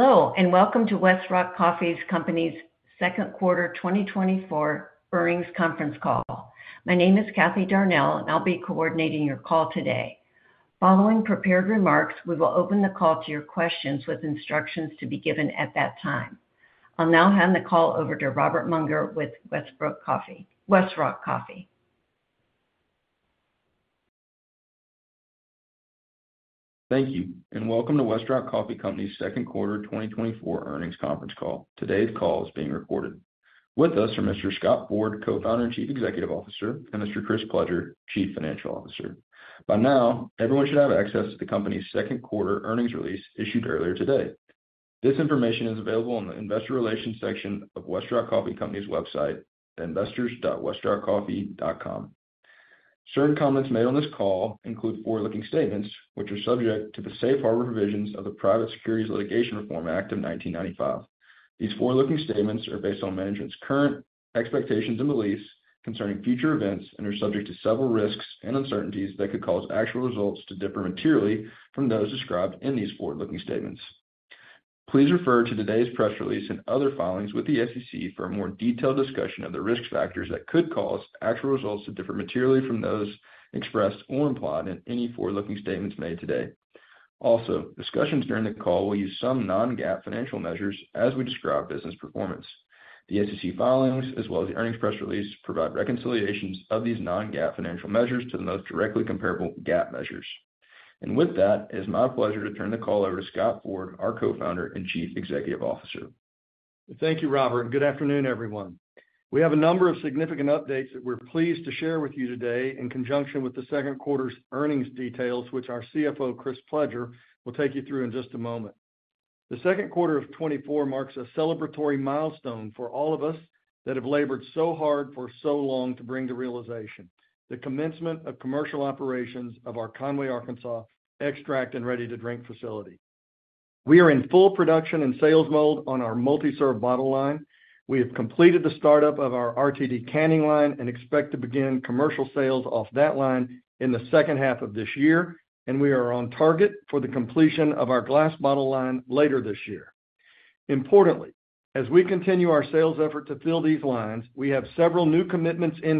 Hello, and welcome to Westrock Coffee Company's second quarter 2024 earnings conference call. My name is Kathy Darnell, and I'll be coordinating your call today. Following prepared remarks, we will open the call to your questions with instructions to be given at that time. I'll now hand the call over to Robert Mounger with Westrock Coffee Company. Thank you, and welcome to Westrock Coffee Company's second quarter 2024 earnings conference call. Today's call is being recorded. With us are Mr. Scott Ford, Co-founder and Chief Executive Officer, and Mr. Chris Pledger, Chief Financial Officer. By now, everyone should have access to the company's second quarter earnings release issued earlier today. This information is available on the investor relations section of Westrock Coffee Company's website, investors.westrockcoffee.com. Certain comments made on this call include forward-looking statements, which are subject to the safe harbor provisions of the Private Securities Litigation Reform Act of 1995. These forward-looking statements are based on management's current expectations and beliefs concerning future events and are subject to several risks and uncertainties that could cause actual results to differ materially from those described in these forward-looking statements. Please refer to today's press release and other filings with the SEC for a more detailed discussion of the risk factors that could cause actual results to differ materially from those expressed or implied in any forward-looking statements made today. Also, discussions during the call will use some non-GAAP financial measures as we describe business performance. The SEC filings, as well as the earnings press release, provide reconciliations of these non-GAAP financial measures to the most directly comparable GAAP measures. With that, it's my pleasure to turn the call over to Scott Ford, our Co-founder and Chief Executive Officer. Thank you Robert, and good afternoon, everyone. We have a number of significant updates that we're pleased to share with you today in conjunction with the second quarter's earnings details, which our CFO, Chris Pledger, will take you through in just a moment. The second quarter of 2024 marks a celebratory milestone for all of us that have labored so hard for so long to bring to realization the commencement of commercial operations of our Conway, Arkansas, extract and ready-to-drink facility. We are in full production and sales mode on our multi-serve bottle line. We have completed the startup of our RTD canning line and expect to begin commercial sales off that line in the second half of this year, and we are on target for the completion of our glass bottle line later this year. Importantly, as we continue our sales effort to fill these lines, we have several new commitments in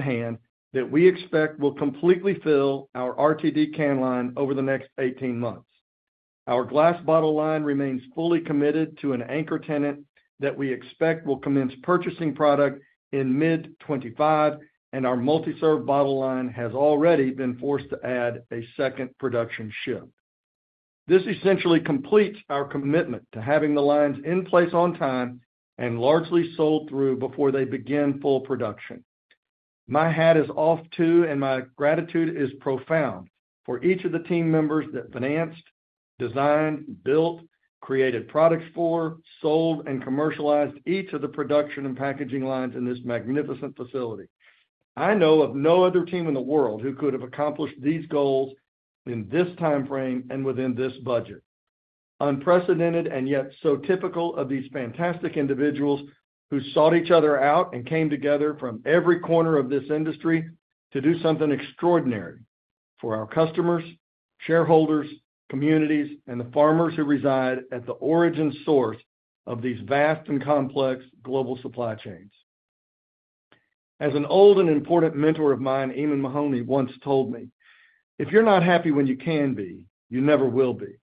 hand that we expect will completely fill our RTD can line over the next 18 months. Our glass bottle line remains fully committed to an anchor tenant that we expect will commence purchasing product in mid-2025, and our multi-serve bottle line has already been forced to add a second production shift. This essentially completes our commitment to having the lines in place on time and largely sold through before they begin full production. My hat is off to, and my gratitude is profound for each of the team members that financed, designed, built, created products for, sold, and commercialized each of the production and packaging lines in this magnificent facility. I know of no other team in the world who could have accomplished these goals in this timeframe and within this budget. Unprecedented and yet so typical of these fantastic individuals who sought each other out and came together from every corner of this industry to do something extraordinary for our customers, shareholders, communities, and the farmers who reside at the origin source of these vast and complex global supply chains. As an old and important mentor of mine, Eamon Mahoney, once told me, "If you're not happy when you can be, you never will be."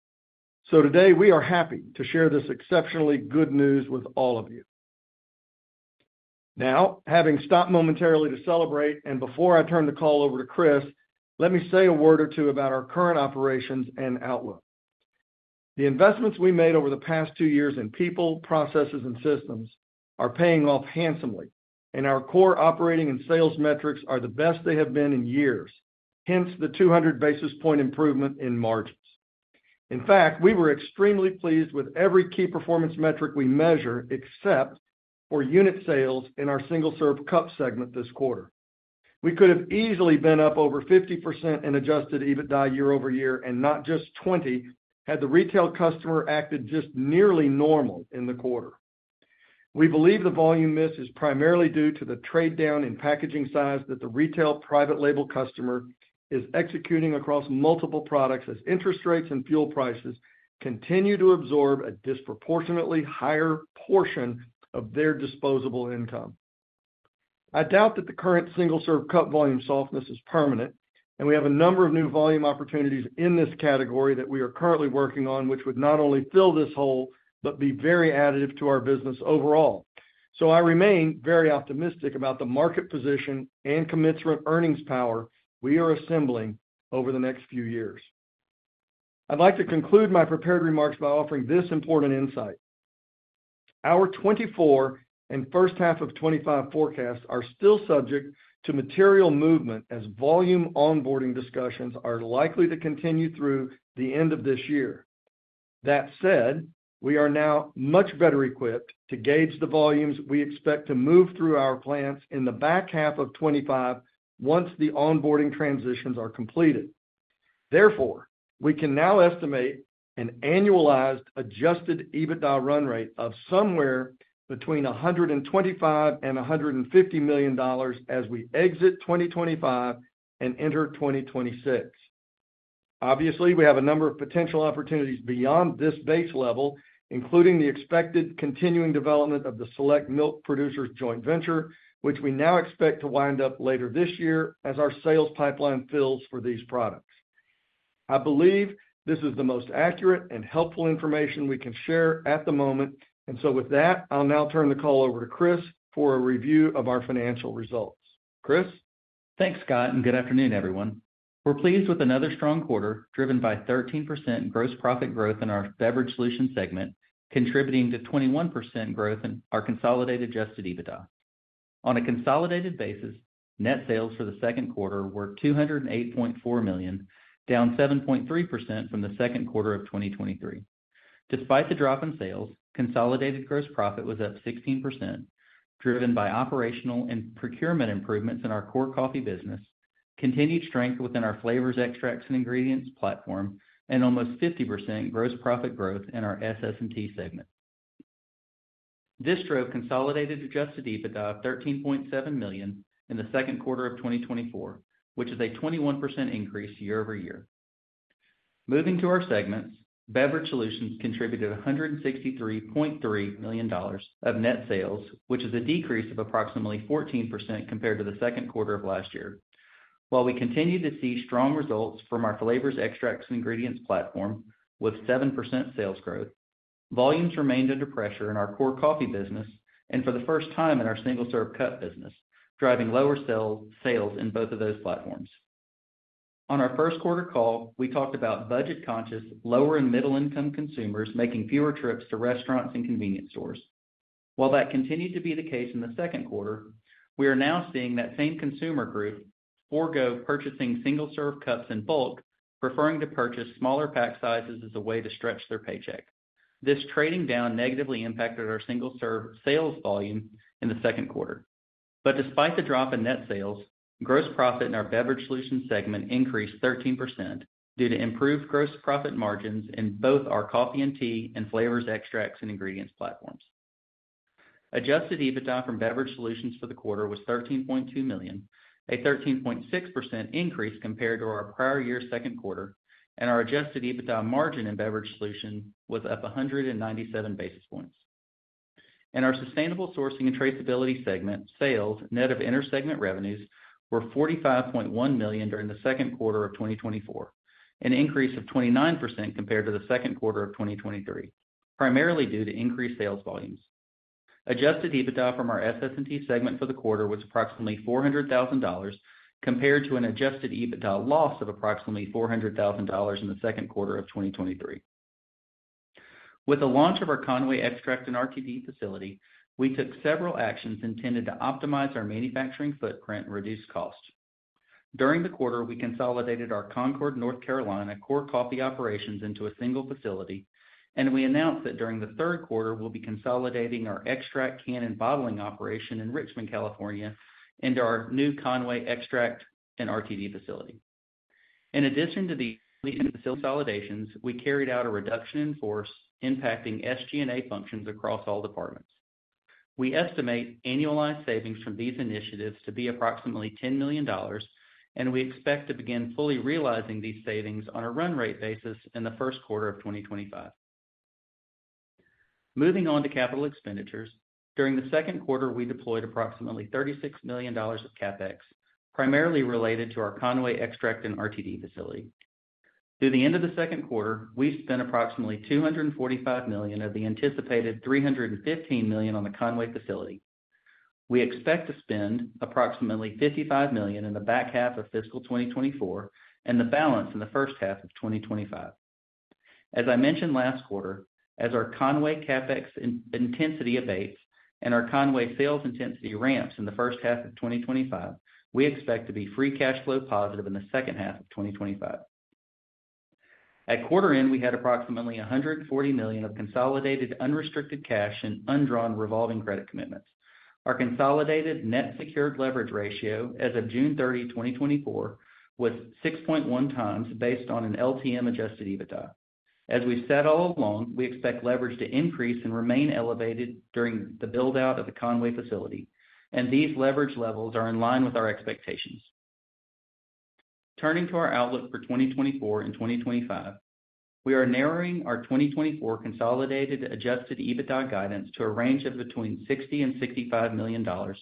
Today, we are happy to share this exceptionally good news with all of you. Now, having stopped momentarily to celebrate, and before I turn the call over to Chris, let me say a word or two about our current operations and outlook. The investments we made over the past 2 years in people, processes, and systems are paying off handsomely, and our core operating and sales metrics are the best they have been in years, hence the 200 basis point improvement in margins. In fact, we were extremely pleased with every key performance metric we measure, except for unit sales in our single-serve cup segment this quarter. We could have easily been up over 50% in Adjusted EBITDA year-over-year, and not just 20, had the retail customer acted just nearly normal in the quarter. We believe the volume miss is primarily due to the trade-down in packaging size that the retail private label customer is executing across multiple products, as interest rates and fuel prices continue to absorb a disproportionately higher portion of their disposable income. I doubt that the current single-serve cup volume softness is permanent, and we have a number of new volume opportunities in this category that we are currently working on, which would not only fill this hole, but be very additive to our business overall. So I remain very optimistic about the market position and commensurate earnings power we are assembling over the next few years. I'd like to conclude my prepared remarks by offering this important insight: Our 2024 and first half of 2025 forecasts are still subject to material movement, as volume onboarding discussions are likely to continue through the end of this year. That said, we are now much better equipped to gauge the volumes we expect to move through our plants in the back half of 2025 once the onboarding transitions are completed.... Therefore, we can now estimate an annualized Adjusted EBITDA run rate of somewhere between $125 million and $150 million as we exit 2025 and enter 2026. Obviously, we have a number of potential opportunities beyond this base level, including the expected continuing development of the Select Milk Producers joint venture, which we now expect to wind up later this year as our sales pipeline fills for these products. I believe this is the most accurate and helpful information we can share at the moment, and so with that, I'll now turn the call over to Chris for a review of our financial results. Chris? Thanks Scott, and good afternoon, everyone. We're pleased with another strong quarter, driven by 13% gross profit growth in our Beverage Solutions segment, contributing to 21% growth in our consolidated Adjusted EBITDA. On a consolidated basis, net sales for the second quarter were $208.4 million, down 7.3% from the second quarter of 2023. Despite the drop in sales, consolidated gross profit was up 16%, driven by operational and procurement improvements in our core coffee business, continued strength within our flavors, extracts, and ingredients platform, and almost 50% gross profit growth in our SS&T segment. This drove consolidated Adjusted EBITDA of $13.7 million in the second quarter of 2024, which is a 21% increase year-over-year. Moving to our segments, Beverage Solutions contributed $163.3 million of net sales, which is a decrease of approximately 14% compared to the second quarter of last year. While we continue to see strong results from our flavors, extracts, and ingredients platform with 7% sales growth, volumes remained under pressure in our core coffee business, and for the first time in our single-serve cup business, driving lower sales in both of those platforms. On our first quarter call, we talked about budget-conscious, lower and middle-income consumers making fewer trips to restaurants and convenience stores. While that continued to be the case in the second quarter, we are now seeing that same consumer group forego purchasing single-serve cups in bulk, preferring to purchase smaller pack sizes as a way to stretch their paycheck. This trading down negatively impacted our single-serve sales volume in the second quarter. But despite the drop in net sales, gross profit in our Beverage Solutions segment increased 13% due to improved gross profit margins in both our coffee and tea and flavors, extracts, and ingredients platforms. Adjusted EBITDA from Beverage Solutions for the quarter was $13.2 million, a 13.6% increase compared to our prior year's second quarter, and our Adjusted EBITDA margin in Beverage Solutions was up 197 basis points. In our Sustainable Sourcing and Traceability segment, sales, net of inter-segment revenues, were $45.1 million during the second quarter of 2024, an increase of 29% compared to the second quarter of 2023, primarily due to increased sales volumes. Adjusted EBITDA from our SS&T segment for the quarter was approximately $400,000, compared to an Adjusted EBITDA loss of approximately $400,000 in the second quarter of 2023. With the launch of our Conway extract and RTD facility, we took several actions intended to optimize our manufacturing footprint and reduce costs. During the quarter, we consolidated our Concord, North Carolina, core coffee operations into a single facility, and we announced that during the third quarter, we'll be consolidating our extract, can, and bottling operation in Richmond, California, into our new Conway extract and RTD facility. In addition to the consolidations, we carried out a reduction in force, impacting SG&A functions across all departments. We estimate annualized savings from these initiatives to be approximately $10 million, and we expect to begin fully realizing these savings on a run-rate basis in the first quarter of 2025. Moving on to capital expenditures. During the second quarter, we deployed approximately $36 million of CapEx, primarily related to our Conway extract and RTD facility. Through the end of the second quarter, we've spent approximately $245 million of the anticipated $315 million on the Conway facility. We expect to spend approximately $55 million in the back half of fiscal 2024 and the balance in the first half of 2025. As I mentioned last quarter, as our Conway CapEx intensity abates and our Conway sales intensity ramps in the first half of 2025, we expect to be free cash flow positive in the second half of 2025. At quarter end, we had approximately $140 million of consolidated unrestricted cash and undrawn revolving credit commitments. Our consolidated net secured leverage ratio as of June 30, 2024, was 6.1x based on an LTM Adjusted EBITDA. As we've said all along, we expect leverage to increase and remain elevated during the build-out of the Conway facility, and these leverage levels are in line with our expectations. Turning to our outlook for 2024 and 2025, we are narrowing our 2024 consolidated Adjusted EBITDA guidance to a range of between $60 million and $65 million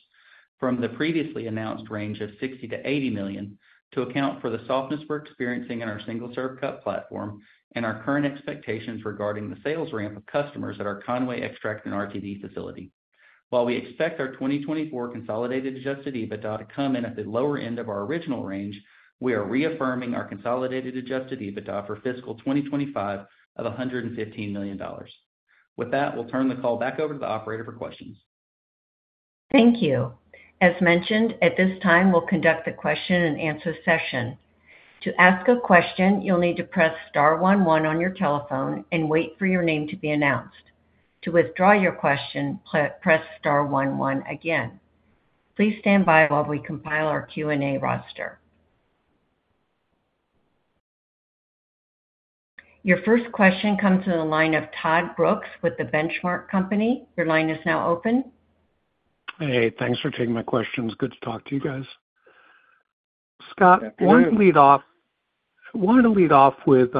from the previously announced range of $60 million to $80 million, to account for the softness we're experiencing in our single-serve cup platform and our current expectations regarding the sales ramp of customers at our Conway extract and RTD facility. While we expect our 2024 consolidated Adjusted EBITDA to come in at the lower end of our original range, we are reaffirming our consolidated Adjusted EBITDA for fiscal 2025 of $115 million. With that, we'll turn the call back over to the operator for questions. Thank you. As mentioned, at this time, we'll conduct the question-and-answer session. To ask a question, you'll need to press star one one on your telephone and wait for your name to be announced. To withdraw your question, press star one one again. Please stand by while we compile our Q&A roster. Your first question comes to the line of Todd Brooks with The Benchmark Company. Your line is now open. Hey, thanks for taking my questions. Good to talk to you guys. Good afternoon. Scott, I wanted to lead off with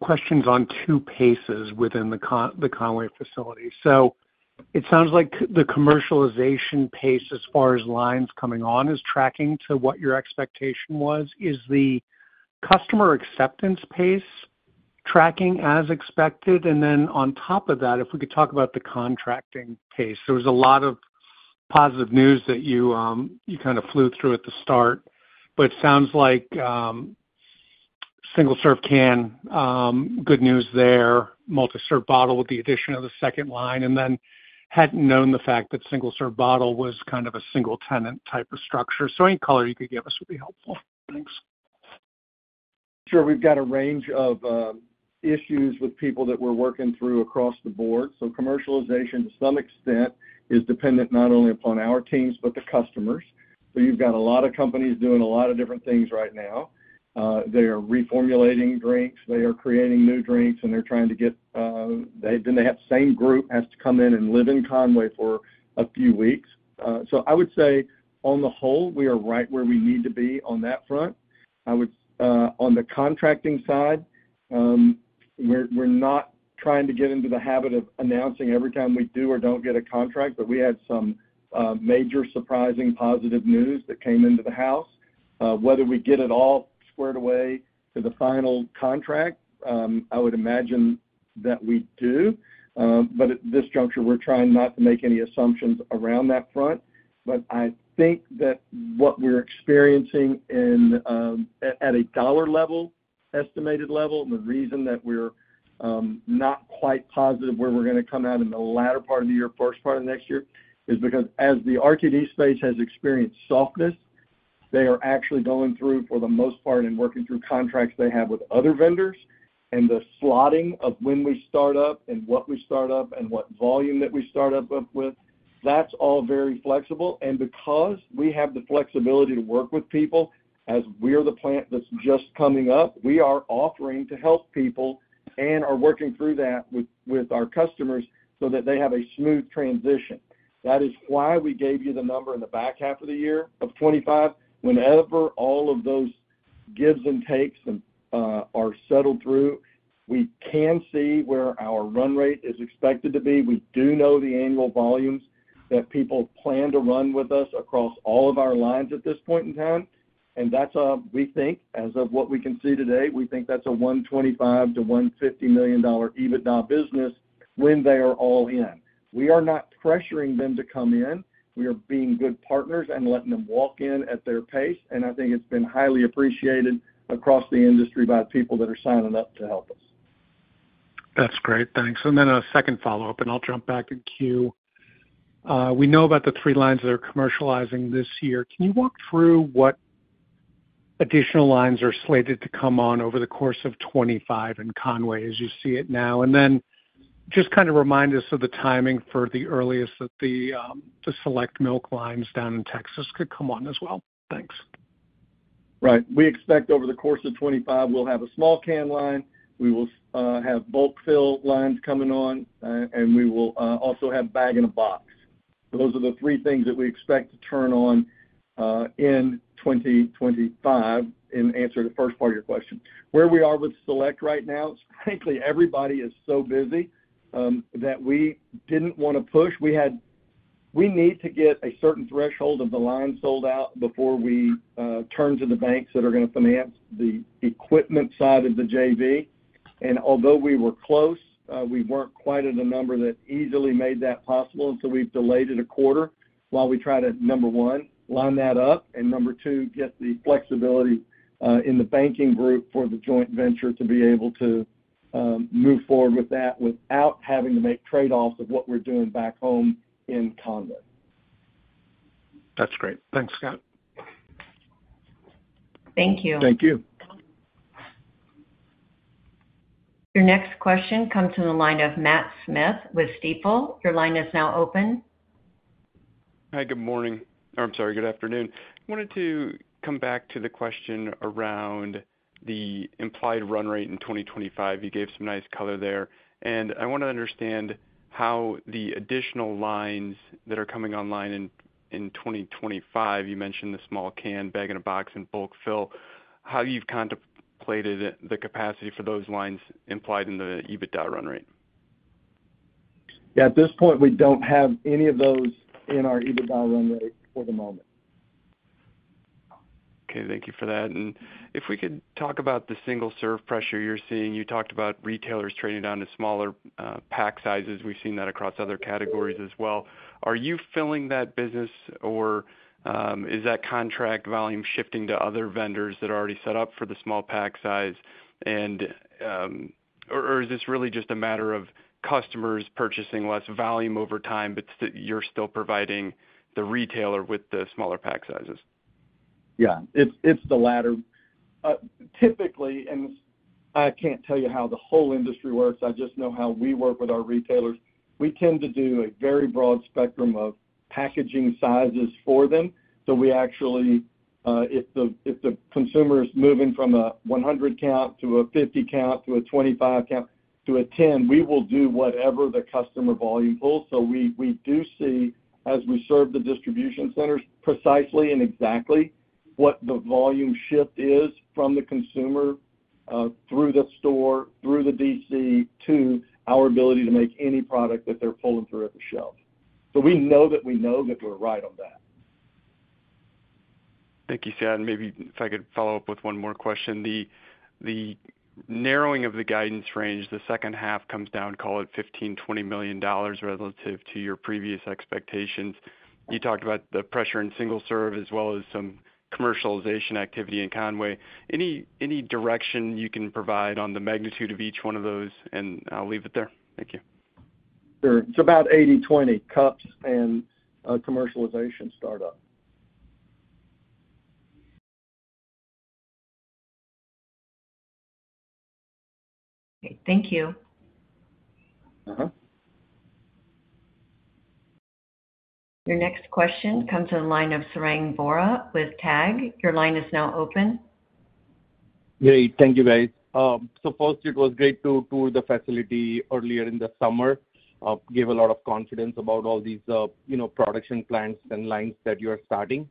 questions on two paces within the Conway facility. So it sounds like the commercialization pace as far as lines coming on is tracking to what your expectation was. Is the customer acceptance pace tracking as expected? And then on top of that, if we could talk about the contracting pace. There was a lot of positive news that you kind of flew through at the start, but it sounds like single-serve can, good news there. Multi-serve bottle with the addition of the second line, and then hadn't known the fact that single-serve bottle was kind of a single tenant type of structure. So any color you could give us would be helpful. Thanks. Sure. We've got a range of issues with people that we're working through across the board. So commercialization, to some extent, is dependent not only upon our teams, but the customers. So you've got a lot of companies doing a lot of different things right now. They are reformulating drinks, they are creating new drinks, and they're trying to get, they then have the same group has to come in and live in Conway for a few weeks. So I would say, on the whole, we are right where we need to be on that front. I would, on the contracting side, we're not trying to get into the habit of announcing every time we do or don't get a contract, but we had some major, surprising, positive news that came into the house. Whether we get it all squared away to the final contract, I would imagine that we do, but at this juncture, we're trying not to make any assumptions around that front. But I think that what we're experiencing in, at, at a dollar level, estimated level, the reason that we're not quite positive where we're gonna come out in the latter part of the year, first part of next year, is because as the RTD space has experienced softness, they are actually going through, for the most part, and working through contracts they have with other vendors. And the slotting of when we start up and what we start up and what volume that we start up with, that's all very flexible. Because we have the flexibility to work with people, as we're the plant that's just coming up, we are offering to help people and are working through that with, with our customers so that they have a smooth transition. That is why we gave you the number in the back half of the year of 25. Whenever all of those gives and takes and are settled through, we can see where our run rate is expected to be. We do know the annual volumes that people plan to run with us across all of our lines at this point in time, and that's, we think, as of what we can see today, we think that's a $125million-$150 million EBITDA business when they are all in. We are not pressuring them to come in. We are being good partners and letting them walk in at their pace, and I think it's been highly appreciated across the industry by people that are signing up to help us. That's great. Thanks. And then a second follow-up, and I'll jump back in queue. We know about the three lines that are commercializing this year. Can you walk through what additional lines are slated to come on over the course of 2025 in Conway as you see it now? And then just kind of remind us of the timing for the earliest that the Select Milk lines down in Texas could come on as well. Thanks. Right. We expect over the course of 2025, we'll have a small can line, we will have bulk fill lines coming on, and we will also have bag-in-box. So those are the three things that we expect to turn on in 2025, in answer to the first part of your question. Where we are with Select right now, frankly, everybody is so busy that we didn't want to push. We had. We need to get a certain threshold of the line sold out before we turn to the banks that are gonna finance the equipment side of the JV. Although we were close, we weren't quite at a number that easily made that possible, and so we've delayed it a quarter while we try to, number one, line that up, and number two, get the flexibility in the banking group for the joint venture to be able to move forward with that without having to make trade-offs of what we're doing back home in Conway. That's great. Thanks, Scott. Thank you. Thank you. Your next question comes from the line of Matt Smith with Stifel. Your line is now open. Hi, good morning. I'm sorry, good afternoon. I wanted to come back to the question around the implied run rate in 2025. You gave some nice color there, and I want to understand how the additional lines that are coming online in 2025, you mentioned the small can, bag in a box, and bulk fill, how you've contemplated the capacity for those lines implied in the EBITDA run rate? Yeah, at this point, we don't have any of those in our EBITDA run rate for the moment. Okay, thank you for that. And if we could talk about the single-serve pressure you're seeing. You talked about retailers trading down to smaller pack sizes. We've seen that across other categories as well. Are you filling that business, or is that contract volume shifting to other vendors that are already set up for the small pack size? And, or, or is this really just a matter of customers purchasing less volume over time, but you're still providing the retailer with the smaller pack sizes? Yeah, it's the latter. Typically, and I can't tell you how the whole industry works, I just know how we work with our retailers, we tend to do a very broad spectrum of packaging sizes for them. So we actually, if the consumer is moving from a 100 count to a 50 count to a 25 count to a 10, we will do whatever the customer volume pulls. So we do see, as we serve the distribution centers precisely and exactly, what the volume shift is from the consumer through the store, through the DC, to our ability to make any product that they're pulling through at the shelf. So we know that we know that we're right on that. Thank you, Chad. And maybe if I could follow up with one more question. The narrowing of the guidance range, the second half comes down, call it $15-$20 million relative to your previous expectations. You talked about the pressure in single serve as well as some commercialization activity in Conway. Any direction you can provide on the magnitude of each one of those, and I'll leave it there. Thank you. Sure. It's about 80-20, cups and commercialization startup. Okay, thank you. Uh-huh. Your next question comes to the line of Sarang Vora with TAG. Your line is now open. Great. Thank you, guys. So first, it was great to tour the facility earlier in the summer, gave a lot of confidence about all these, you know, production plants and lines that you are starting.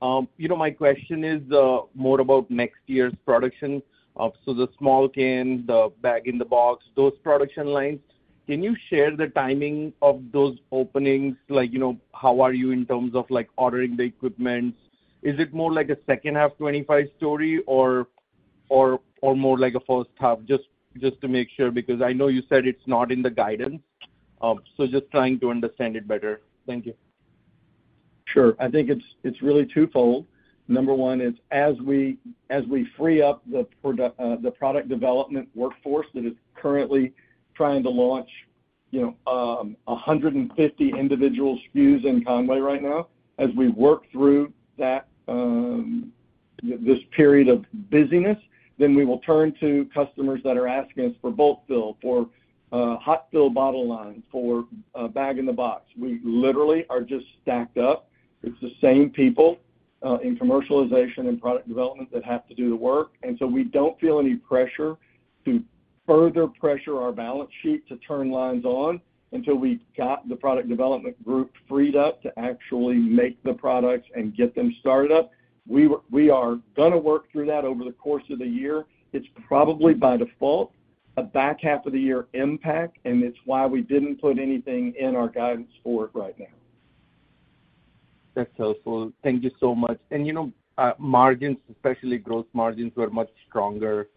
You know, my question is, more about next year's production. So the small cans, the bag-in-box, those production lines, can you share the timing of those openings? Like, you know, how are you in terms of, like, ordering the equipment? Is it more like a second half 2025 story or, or, or more like a first half? Just, just to make sure, because I know you said it's not in the guidance, so just trying to understand it better. Thank you. Sure. I think it's really twofold. Number one is as we free up the product development workforce that is currently trying to launch, you know, 150 individual SKUs in Conway right now, as we work through that, this period of busyness, then we will turn to customers that are asking us for bulk fill, for hot fill bottle lines, for bag-in-box. We literally are just stacked up. It's the same people in commercialization and product development that have to do the work. And so we don't feel any pressure to further pressure our balance sheet to turn lines on until we've got the product development group freed up to actually make the products and get them started up. We are gonna work through that over the course of the year. It's probably by default, a back half of the year impact, and it's why we didn't put anything in our guidance for it right now. That's helpful. Thank you so much. And, you know, margins, especially gross margins, were much stronger,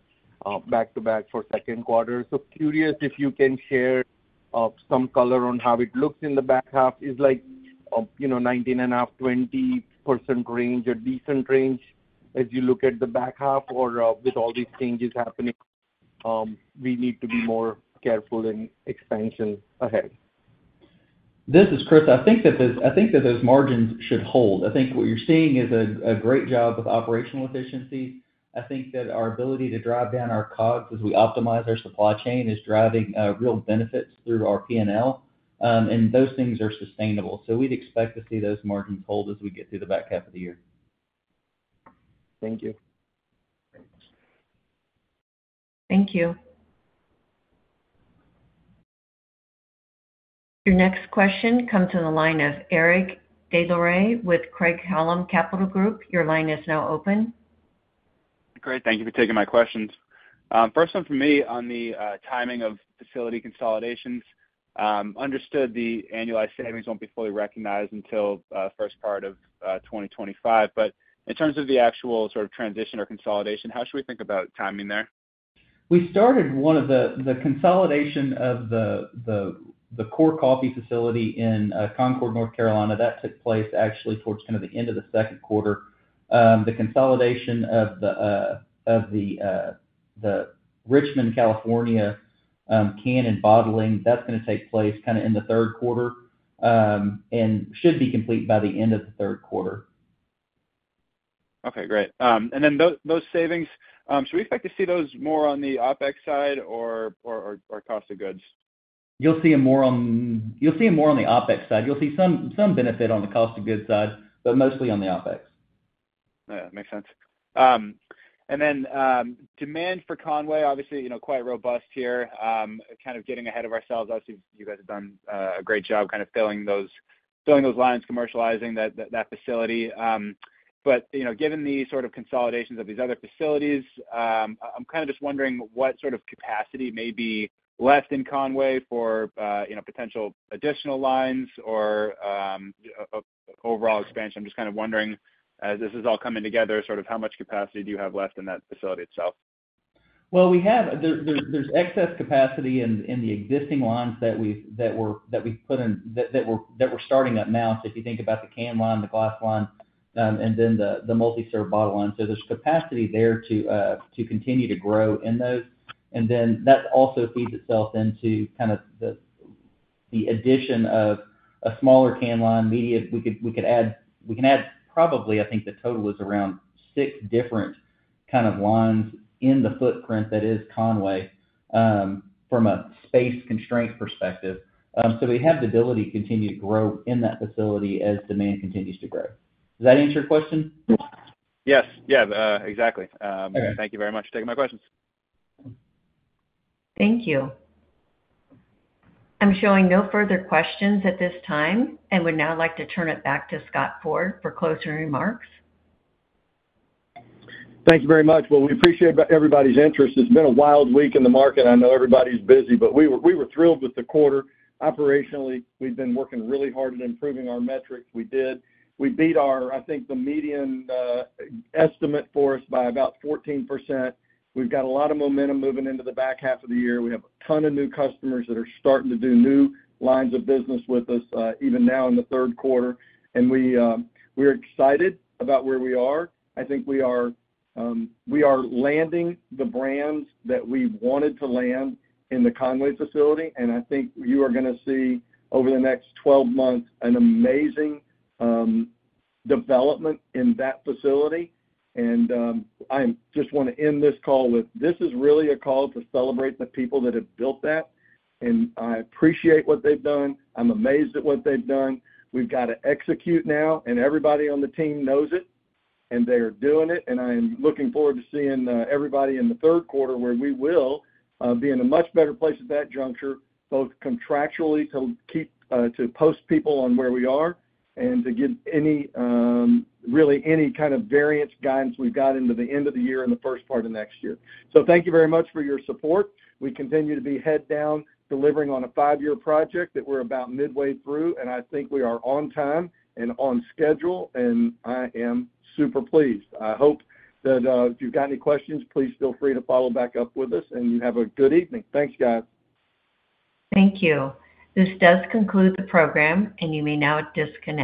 back to back for second quarter. So curious if you can share, some color on how it looks in the back half. Is like, you know, 19.5%-20% range, a decent range, as you look at the back half? Or, with all these changes happening, we need to be more careful in expansion ahead. This is Chris. I think that those, I think that those margins should hold. I think what you're seeing is a great job with operational efficiency. I think that our ability to drive down our costs as we optimize our supply chain is driving real benefits through our PNL, and those things are sustainable. So we'd expect to see those margins hold as we get through the back half of the year. Thank you. Thank you. Your next question comes to the line of Eric Des Lauriers with Craig-Hallum Capital Group. Your line is now open. Great. Thank you for taking my questions. First one for me on the timing of facility consolidations. Understood the annualized savings won't be fully recognized until first part of 2025. But in terms of the actual sort of transition or consolidation, how should we think about timing there? We started one of the consolidation of the core coffee facility in Concord, North Carolina. That took place actually towards kind of the end of the second quarter. The consolidation of the Richmond, California, can and bottling, that's gonna take place kinda in the third quarter, and should be complete by the end of the third quarter. Okay, great. And then those savings, should we expect to see those more on the OpEx side or cost of goods? You'll see them more on the OpEx side. You'll see some, some benefit on the cost of goods side, but mostly on the OpEx. Yeah, makes sense. And then, demand for Conway, obviously, you know, quite robust here. Kind of getting ahead of ourselves, obviously, you guys have done a great job kind of filling those lines, commercializing that facility. But, you know, given the sort of consolidations of these other facilities, I'm kinda just wondering what sort of capacity may be left in Conway for, you know, potential additional lines or, overall expansion. I'm just kind of wondering, as this is all coming together, sort of how much capacity do you have left in that facility itself? Well, we have. There's excess capacity in the existing lines that we've put in that we're starting up now. So if you think about the can line, the glass line, and then the multi-serve bottle line. So there's capacity there to continue to grow in those, and then that also feeds itself into kind of the addition of a smaller can line. Immediately, we could add. We can add probably. I think the total is around six different kind of lines in the footprint that is Conway from a space constraint perspective. So we have the ability to continue to grow in that facility as demand continues to grow. Does that answer your question? Yes. Yeah, exactly. Okay. Thank you very much for taking my questions. Thank you. I'm showing no further questions at this time and would now like to turn it back to Scott Ford for closing remarks. Thank you very much. Well, we appreciate everybody's interest. It's been a wild week in the market. I know everybody's busy, but we were, we were thrilled with the quarter. Operationally, we've been working really hard at improving our metrics. We did. We beat our, I think, the median estimate for us by about 14%. We've got a lot of momentum moving into the back half of the year. We have a ton of new customers that are starting to do new lines of business with us, even now in the third quarter, and we're excited about where we are. I think we are, we are landing the brands that we wanted to land in the Conway facility, and I think you are gonna see over the next 12 months, an amazing development in that facility. And, I just want to end this call with, this is really a call to celebrate the people that have built that, and I appreciate what they've done. I'm amazed at what they've done. We've got to execute now, and everybody on the team knows it, and they are doing it. I am looking forward to seeing everybody in the third quarter, where we will be in a much better place at that juncture, both contractually to keep people posted on where we are and to give any really any kind of variance guidance we've got into the end of the year and the first part of next year. So thank you very much for your support. We continue to be head down, delivering on a five-year project that we're about midway through, and I think we are on time and on schedule, and I am super pleased. I hope that if you've got any questions, please feel free to follow back up with us and have a good evening. Thanks, guys. Thank you. This does conclude the program, and you may now disconnect.